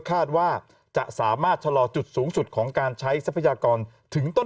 คาดว่าจะสามารถชะลอจุดสูงสุดของการใช้ทรัพยากรถึงต้น